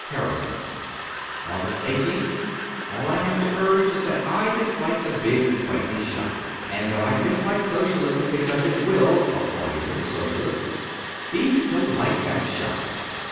'■Heretics.' 255 AUGUST 1 8th ALL I have to urge is that I dislike the big Whiteley shop, and that I disUke SociaUsm because it will (according to Socialists) be so like that shop.